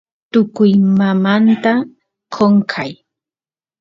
tukuymamnta qonqay